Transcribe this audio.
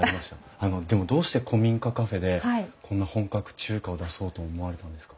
あのでもどうして古民家カフェでこんな本格中華を出そうと思われたんですか？